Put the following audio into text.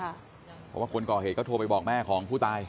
เพราะว่าคนก่อเหตุก็โทรไปบอกแม่ของผู้ตาย